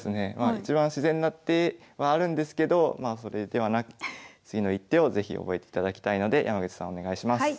一番自然な手はあるんですけどそれではなく次の一手を是非覚えていただきたいので山口さんお願いします。